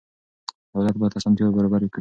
دولت باید اسانتیا برابره کړي.